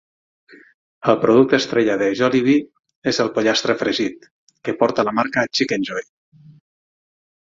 El producte estrella de Jollibee és el pollastre fregit, que porta la marca Chickenjoy.